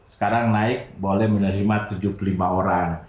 sekarang naik boleh menerima tujuh puluh lima orang